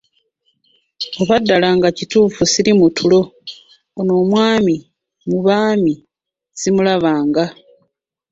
Oba ddala nga kituufu sili mu ttulo, ono omwami mu baami simulabanga!